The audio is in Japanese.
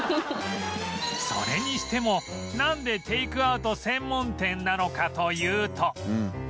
それにしてもなんでテイクアウト専門店なのかというと